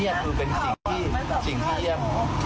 นี่คือเป็นสิ่งที่สิ่งเที่ยม